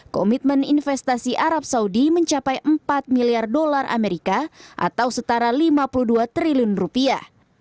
komitmen investasi arab saudi mencapai empat miliar dolar amerika atau setara lima puluh dua triliun rupiah